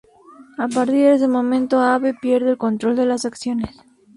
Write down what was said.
A partir de ese momento Abe pierde el control de las acciones.